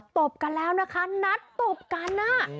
ตบกันแล้วนะคะนัดตบกันน่ะ